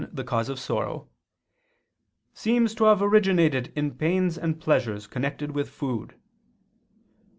], the cause of sorrow, "seems to have originated in pains and pleasures connected with food."